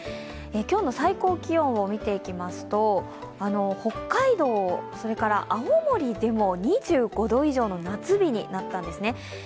今日の最高気温を見ていきますと、北海道、それから青森でも２５度以上の夏日になったんですね。